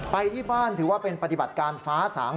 ไปที่บ้านถือว่าเป็นปฏิบัติการฟ้าสาง